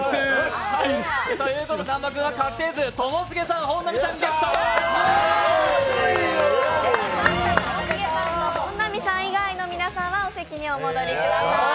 ともしげさん、本並さんゲット！ともしげさんと本並さん以外の皆さんはお席にお戻りください。